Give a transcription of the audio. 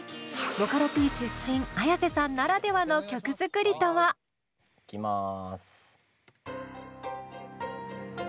ボカロＰ出身Ａｙａｓｅさんならではの曲作りとは？いきます。